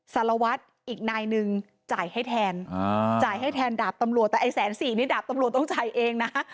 สารวัตรอีกนายหนึ่งจ่ายให้แทนจ่ายให้แทนดาบตำรวจแต่ไอ้แสนสี่นี่ดาบตำรวจต้องจ่ายเองนะ